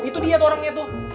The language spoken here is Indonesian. itu dia tuh orangnya tuh